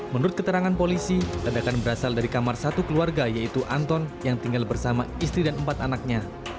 menurut keterangan polisi ledakan berasal dari kamar satu keluarga yaitu anton yang tinggal bersama istri dan empat anaknya